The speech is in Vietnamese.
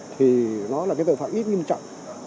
thì nó là cái tội phạm ít nghiêm trọng